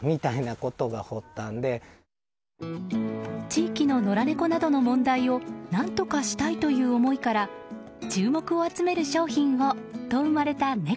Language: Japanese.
地域の野良猫などの問題を何とかしたいという思いから注目を集める商品をと生まれたね